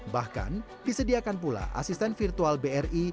bahkan disediakan pula asisten virtual bri